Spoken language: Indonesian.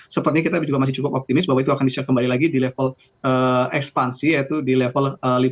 sepertinya kita juga masih cukup optimis bahwa itu akan bisa kembali lagi di level ekspansi yaitu di level lima